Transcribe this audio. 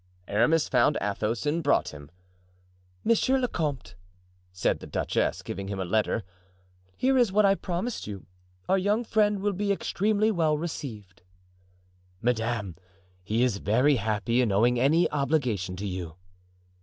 Aramis found Athos and brought him. "Monsieur le comte," said the duchess, giving him a letter, "here is what I promised you; our young friend will be extremely well received." "Madame, he is very happy in owing any obligation to you."